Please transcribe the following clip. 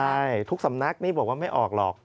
ใช่ทุกสำนักนี่บอกว่าไม่ออกหรอก